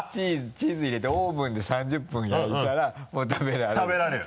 チーズ入れてオーブンで３０分焼いたらもう食べられる？